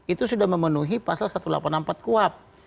itu sudah memenuhi pasal satu ratus delapan puluh empat kuhap